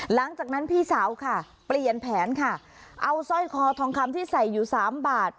หลังจากนั้นพี่สาวค่ะเปลี่ยนแผนค่ะเอาสร้อยคอทองคำที่ใส่อยู่สามบาท